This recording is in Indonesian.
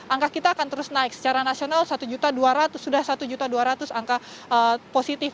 angka kita akan terus naik secara nasional satu dua ratus sudah satu dua ratus angka positif